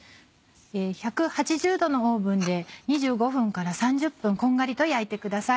１８０℃のオーブンで２５分から３０分こんがりと焼いてください。